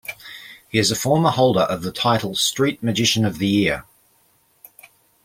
He is a former holder of the title Street Magician of the Year.